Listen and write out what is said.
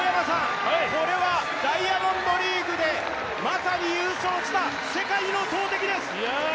これはダイヤモンドリーグでまさに優勝した世界の投てきです。